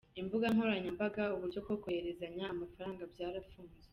Imbuga nkoranyambaga, uburyo bwo kohererezanya amafaranga byarafunzwe.